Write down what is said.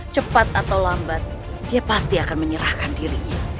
cepat atau lambat dia pasti akan menyerahkan dirinya